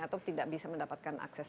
atau tidak bisa mendapatkan akses